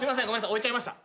置いちゃいました。